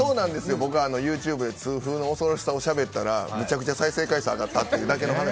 僕、ＹｏｕＴｕｂｅで痛風の恐ろしさを方ったらめちゃくちゃ再生回数が上がったという。